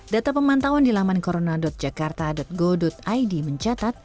data pemantauan di laman corona jakarta go id mencatat